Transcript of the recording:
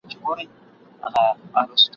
هريو څاڅکی يې هلمند دی ..